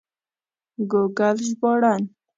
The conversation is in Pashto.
ګوګل ژباړن